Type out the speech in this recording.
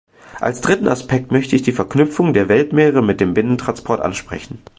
Als dritten Aspekt möchte ich die Verknüpfung der Weltmeere mit dem Binnentransport ansprechen.